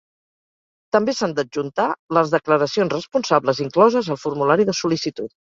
També s'han d'adjuntar les declaracions responsables incloses al formulari de sol·licitud.